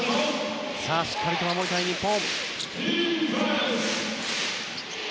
しっかり守りたい日本。